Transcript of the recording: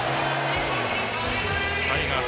タイガース